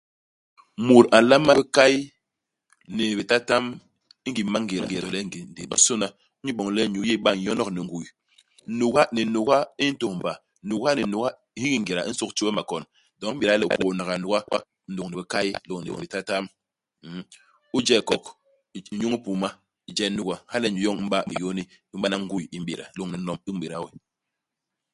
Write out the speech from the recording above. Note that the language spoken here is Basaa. Mut a nlama je bikay ni bitatam i ngim i mangéda to le ngéda ndéé yosôna, inyu boñ le nyuu yéé i ba n'yonok ni nguy. Nuga ni nuga i ntôhmba. Nuga ni nuga hiki ngéda i nsôk ti we makon. Doñ i m'béda le u pôônaga nuga lôñni bikay, lôñni bitatam. Mm. U je hikok, u j u nyuñ hipuma, u je nuga. Hala nyen nyuu yoñ i m'ba i yôni, i m'bana nguy i m'béda lôñni nom u m'béda we.